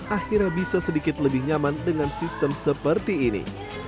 akhirnya bisa sedikit lebih nyaman dengan sistem seperti ini